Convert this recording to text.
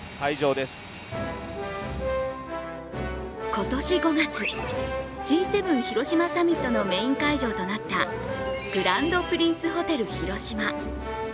今年５月、Ｇ７広島サミットのメイン会場となった、グランドプリンスホテル広島。